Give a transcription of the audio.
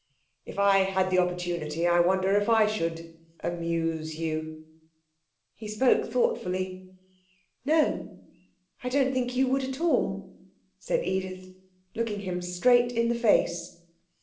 If I had the opportunity I wonder if I should amuse you,' he spoke thoughtfully. 'No; I don't think you would at all,' said Edith, looking him straight in the face.